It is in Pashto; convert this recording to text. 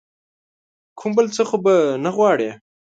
کوم بل څه خو به نه غواړې ؟